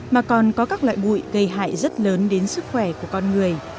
mà còn có các loại bụi gây hại rất lớn đến sức khỏe của con người